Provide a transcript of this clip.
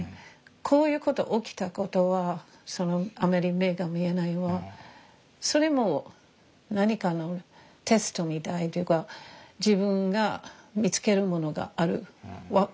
こういうこと起きたことはそのあまり目が見えないのはそれも何かのテストみたいというか自分が見つけるものがある。